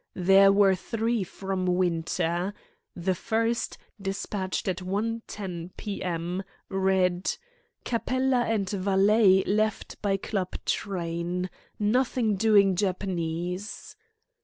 There were three from Winter. The first, despatched at 1.10 p.m., read: "Capella and valet left by club train. Nothing doing Japanese."